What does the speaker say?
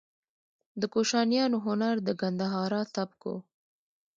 د کوشانیانو هنر د ګندهارا سبک و